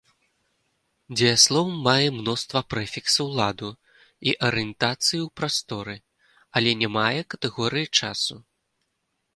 Дзеяслоў мае мноства прэфіксаў ладу і арыентацыі ў прасторы, але не мае катэгорыі часу.